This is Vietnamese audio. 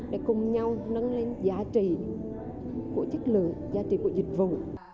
để cùng nhau nâng lên giá trị của chất lượng giá trị của dịch vụ